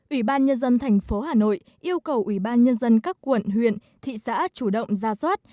ủy ban nhân dân thành phố hà nội yêu cầu ủy ban nhân dân các quận huyện thị xã chủ động ra soát